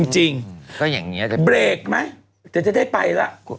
จริงเบรกไหมจะได้ไปล่ะ